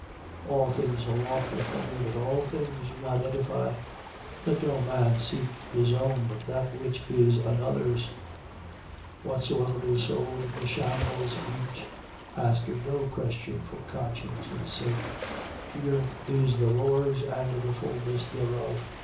10:23. All things are lawful for me: but all things do not edify. 10:24. Let no man seek his own, but that which is another's. 10:25. Whatsoever is sold in the shambles, eat: asking no question for conscience' sake. 10:26. The earth is the Lord's and the fulness thereof.